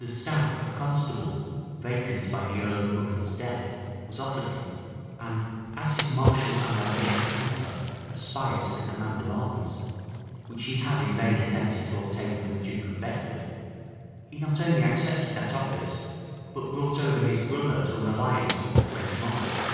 The staff of constable, vacant by the earl of Buchan's death, was offered him; and as his martial and ambitious temper aspired to the command of armies, which he had in vain attempted to obtain from the duke of Bedford, he not only accepted that office, but brought over his brother to an alliance with the French monarch.